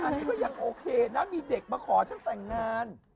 อันนี้ก็ยังโอเคนะมีเด็กมาขอฉันแต่งงาน